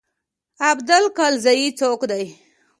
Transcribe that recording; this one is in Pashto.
ابدال کلزايي څوک دی.